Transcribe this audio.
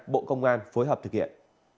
bộ công an phối hợp thực hiện